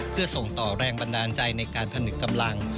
เพื่อส่งต่อแรงบันดาลใจในการผนึกกำลัง